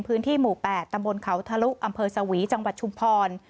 พื้นที่หมู่๘ตำบลเขาทะลุอำเภอสวีจังหวัดชุมพร